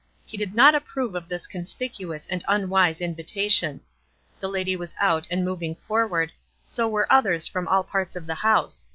He did not approve of this conspicuous and unwise invitation. The lady was out and moving forward, so were others from all parts of the house.